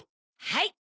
はい。